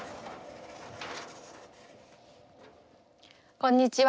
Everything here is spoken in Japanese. こんにちは。